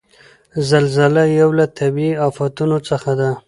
زلزله یو له طبعیي آفتونو څخه ده.